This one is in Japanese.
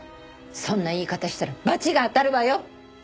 そんな言い方したら罰が当たるわよ！